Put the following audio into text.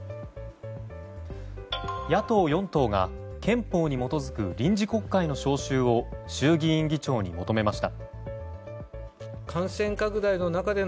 野党４党が憲法に基づく臨時国会の召集を衆議院議長に求めました。